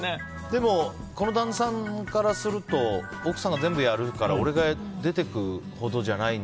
でもこの旦那さんからすると奥さんが全部やるから俺が出て行くほどじゃない。